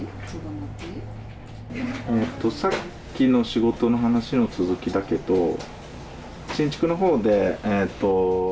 さっきの仕事の話の続きだけど新築のほうで。